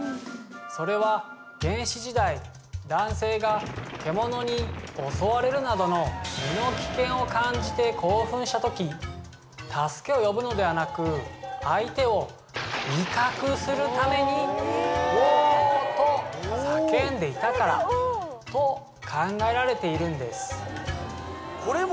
それは原始時代男性が獣に襲われるなどの身の危険を感じて興奮した時助けを呼ぶのではなく相手を威嚇するために「オォー」と叫んでいたからと考えられているんですえ